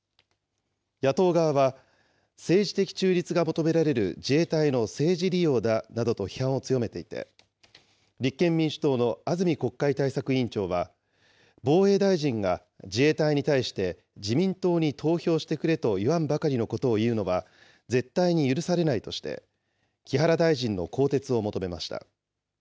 野党側は、政治的中立が求められる自衛隊の政治利用だなどと、批判を強めていて、立憲民主党の安住国会対策委員長は、防衛大臣が自衛隊に対して自民党に投票してくれと言わんばかりのことを言うのは、絶対に許されないとして、木原大臣の更迭を求めました。